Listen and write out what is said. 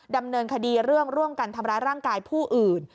ดำเนินคดีเรื่องร่วมกันทำร้ายร่างกายผู้อื่น